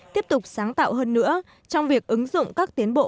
tiếp tục sáng tạo hơn nữa trong việc ứng dụng các tiến bộ